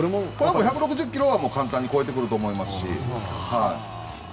１６０キロは簡単に超えてくると思いますし。